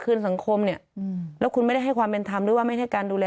สังคมเนี่ยแล้วคุณไม่ได้ให้ความเป็นธรรมหรือว่าไม่ให้การดูแล